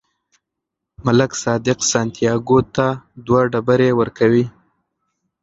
ملک صادق سانتیاګو ته دوه ډبرې ورکوي.